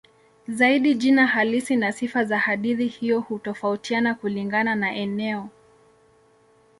Zaidi jina halisi na sifa za hadithi hiyo hutofautiana kulingana na eneo.